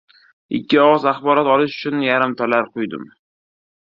Ikki og‘iz axborot olish uchun yarimtalar quydim.